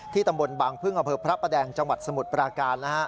ตำบลบางพึ่งอำเภอพระประแดงจังหวัดสมุทรปราการ